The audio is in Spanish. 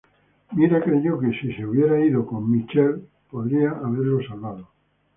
Myra creyó que si hubiera ido con Michael podría haberlo salvado.